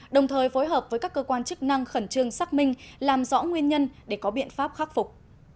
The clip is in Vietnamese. đồng thời phối hợp với các cơ quan chức năng khẩn trương xác minh làm rõ nguyên nhân để có biện pháp khắc phục